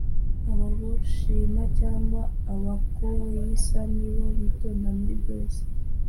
Ababoshima cyangwa Abakoyisa ni bo bitonda muri byose